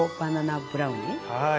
はい。